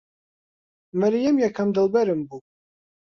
مەریەم یەکەم دڵبەرم بوو.